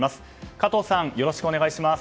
加藤さん、よろしくお願いします。